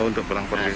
oh untuk pulang pergi